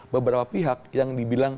beberapa pihak yang dibilang